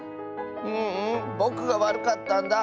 ううんぼくがわるかったんだ。